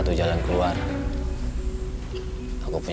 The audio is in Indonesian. tidak budi liat introduced